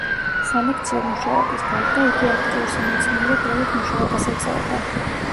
სალექციო მუშაობის გარდა, იგი აქტიურ სამეცნიერო-კვლევით მუშაობას ეწეოდა.